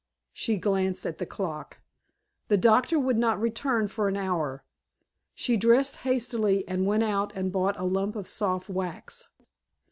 She glanced at the clock. The doctor would not return for an hour. She dressed hastily and went out and bought a lump of soft wax.